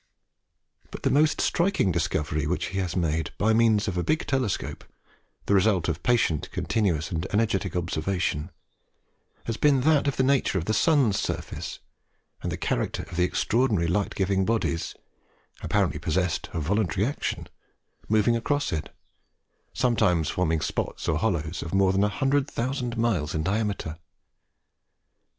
But the most striking discovery which he has made by means of big telescope the result of patient, continuous, and energetic observation has been that of the nature of the sun's surface, and the character of the extraordinary light giving bodies, apparently possessed of voluntary motion, moving across it, sometimes forming spots or hollows of more than a hundred thousand miles in diameter.